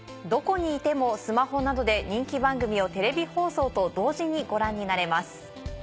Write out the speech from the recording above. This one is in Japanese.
どこにいてもスマホなどで人気番組をテレビ放送と同時にご覧になれます。